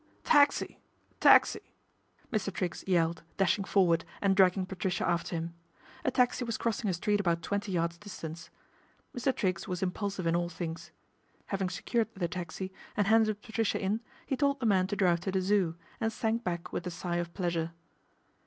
Taxi! Taxi!" Mr. Triggs yelled, dashing forward and dragging Patricia after him. A taxi was crossing a street about twenty yards distance. Mr. Triggs was impulsive in all things. Having secured the taxi and handed Patricia in, he told the man to drive to the Zoo, and sank back with a sigh of pleasure.